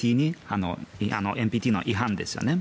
ＮＰＴの違反ですよね。